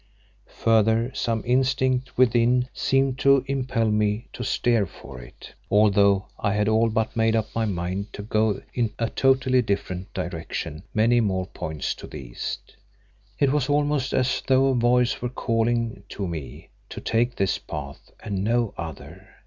Further, some instinct within seemed to impel me to steer for it, although I had all but made up my mind to go in a totally different direction many more points to the east. It was almost as though a voice were calling to me to take this path and no other.